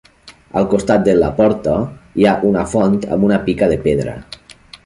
Al costat de la porta, hi ha una font amb una pica de pedra.